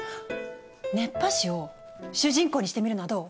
熱波師を主人公にしてみるのはどう？